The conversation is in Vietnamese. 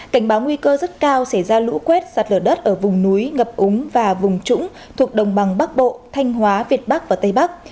cảnh báo nguy cơ rất cao sẽ ra lũ quét sạt lở đất ở vùng núi ngập úng và vùng trũng thuộc đồng bằng bắc bộ thanh hóa việt bắc và tây bắc